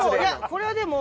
これはでも。